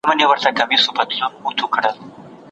آیا ته چمتو یې چې خپله هره سخته په یو بریالیتوب بدله کړې؟